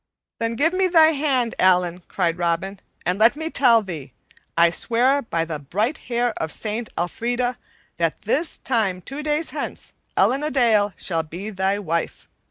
"Then give me thy hand, Allan," cried Robin, "and let me tell thee, I swear by the bright hair of Saint AElfrida that this time two days hence Ellen a Dale shall be thy wife.